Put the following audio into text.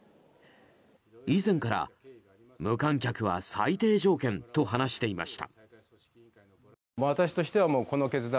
以前から無観客は最低条件と話していました。